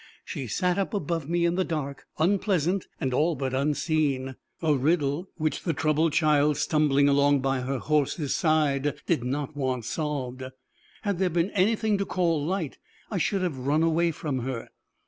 She sat up above me in the dark, unpleasant, and all but unseen a riddle which the troubled child stumbling along by her horse's side did not want solved. Had there been anything to call light, I should have run away from her.